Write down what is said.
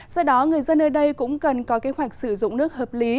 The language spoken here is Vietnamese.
do đó người dân ở đây cũng cần có kế hoạch sử dụng nước hợp lý